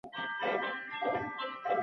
خپل زړه له کینې او حسد پاک کړئ.